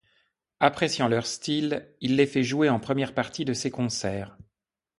Appréciant leur style, il les fait jouer en première partie de ses concerts.